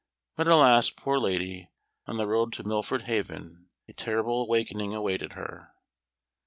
But alas, poor lady, on the road to Milford Haven a terrible awakening awaited her.